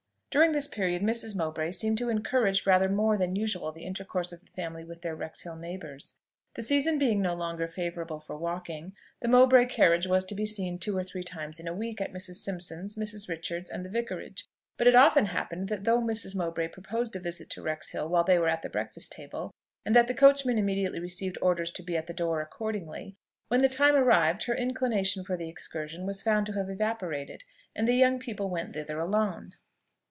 During this period, Mrs. Mowbray seemed to encourage rather more than usual the intercourse of the family with their Wrexhill neighbours. The season being no longer favourable for walking, the Mowbray carriage was to be seen two or three times in a week at Mrs. Simpson's, Mrs. Richards's and the Vicarage; but it often happened, that though Mrs. Mowbray proposed a visit to Wrexhill while they were at the breakfast table, and that the coachman immediately received orders to be at the door accordingly, when the time arrived her inclination for the excursion was found to have evaporated, and the young people went thither alone.